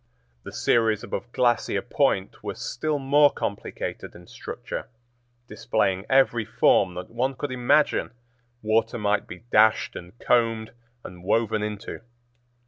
The series above Glacier Point was still more complicated in structure, displaying every form that one could imagine water might be dashed and combed and woven into.